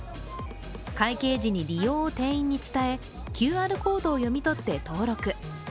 会計時に利用を店員に伝えＱＲコードを読み取って登録。